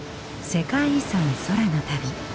「世界遺産空の旅」。